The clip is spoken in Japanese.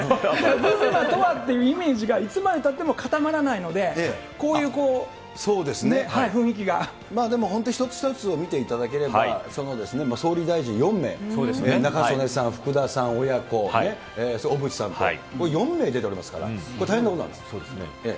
群馬とはというイメージがいつまでたっても固まらないので、まあでも、ほんと一つ一つを見ていただければ、総理大臣４名、中曽根さん、福田さん親子、それから小渕さんと、４名出ておりますから、これ、大変なことなそうですね。